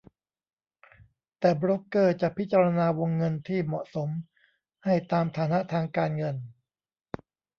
แต่โบรกเกอร์จะพิจารณาวงเงินที่เหมาะสมให้ตามฐานะทางการเงิน